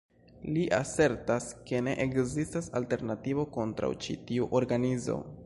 Li asertas, ke ne ekzistas alternativo kontraŭ ĉi tiu organizo.